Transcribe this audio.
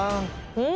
うん？